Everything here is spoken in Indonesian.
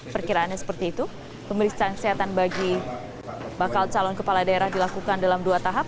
pemeriksaan kesehatan bagi bakal calon kepala daerah dilakukan dalam dua tahap